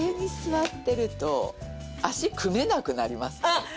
あっ！